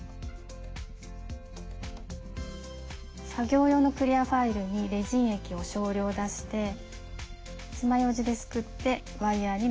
作業用のクリアファイルにレジン液を少量出してつまようじですくってワイヤーにのせていきます。